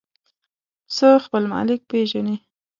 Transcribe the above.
پسه خپل مالک پېژني.